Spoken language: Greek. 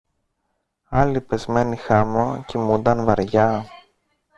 Άλλοι, πεσμένοι χάμω, κοιμούνταν βαριά